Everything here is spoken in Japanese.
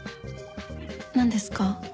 何ですか？